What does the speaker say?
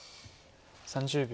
３０秒。